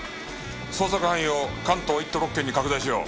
捜索範囲を関東１都６県に拡大しよう。